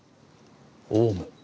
オウム。